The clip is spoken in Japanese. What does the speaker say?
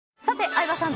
相葉さん。